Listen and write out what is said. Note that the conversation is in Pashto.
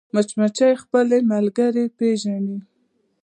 مچمچۍ خپلې ملګرې پېژني